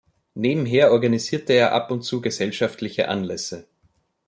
Nebenher organisierte er ab und zu gesellschaftliche Anlässe.